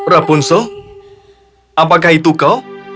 rapunzel apakah itu kau